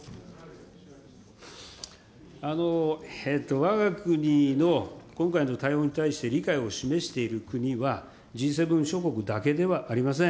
わが国の今回の対応に対して、理解を示している国は、Ｇ７諸国だけではありません。